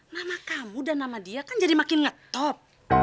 nama kamu dan nama dia kan jadi makin ngetop